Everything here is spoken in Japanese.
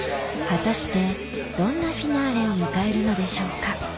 果たしてどんなフィナーレを迎えるのでしょうか？